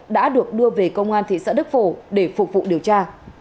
đã được đưa về công an thị xã đức phổ để phục vụ điều tra